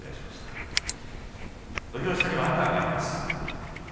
土俵下には天空海がいます。